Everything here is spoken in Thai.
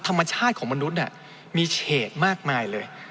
ธรรมชาติของมนุษย์มีเฉดมากมายเลย